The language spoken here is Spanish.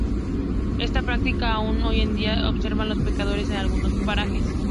Esta práctica aún hoy en día la observan los pescadores en algunos parajes.